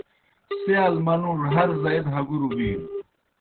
سِیال منُوڙوْ ہر زائی دہ ہگُروْ بِینوْ۔